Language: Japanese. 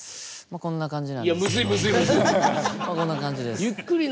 こんな感じです。